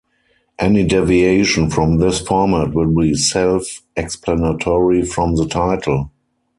Any deviation from this format will be self-explanatory from the title.